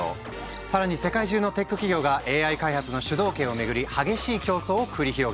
さらに世界中のテック企業がＡＩ開発の主導権を巡り激しい競争を繰り広げている。